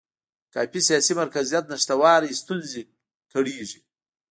د کافي سیاسي مرکزیت نشتوالي ستونزې کړېږي.